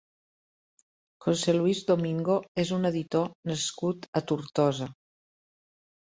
José Luis Domingo és un editor nascut a Tortosa.